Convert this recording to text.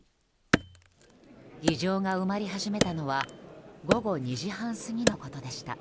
議場が埋まり始めたのは午後２時半過ぎのことでした。